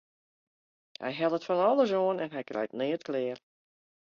Hy hellet fan alles oan en hy krijt neat klear.